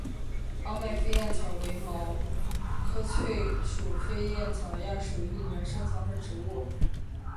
凸脉飞燕草为毛茛科翠雀属飞燕草亚属一年生草本植物。